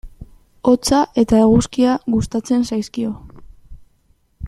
Hotza eta eguzkia gustatzen zaizkio.